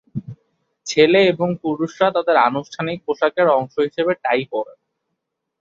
ছেলে এবং পুরুষরা তাদের আনুষ্ঠানিক পোশাকের অংশ হিসেবে টাই পরেন।